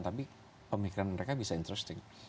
tapi pemikiran mereka bisa interesting